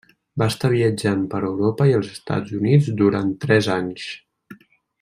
Va estar viatjant per Europa i els Estats Units durant tres anys.